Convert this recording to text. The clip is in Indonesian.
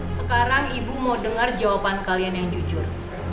sekarang ibu mau dengar jawaban kalian yang jujur